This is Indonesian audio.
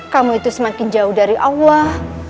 kamu itu semakin jauh dari allah